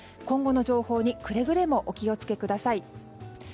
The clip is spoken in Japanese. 今後の情報にくれぐれもお気をつけください。